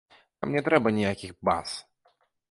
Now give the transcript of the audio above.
Нам не трэба ніякіх баз.